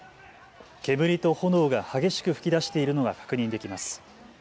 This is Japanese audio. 煙と炎が激しく吹き出しているのが確認できます。